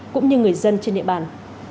cũng như người dân trên địa bàn